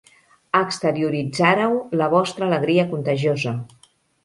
Exterioritzàreu la vostra alegria contagiosa.